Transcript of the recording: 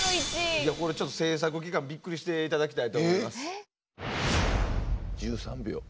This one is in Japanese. いやこれちょっと制作期間びっくりしていただきたいと思います。